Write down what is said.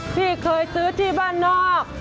พี่เคยซื้อที่บ้านนอก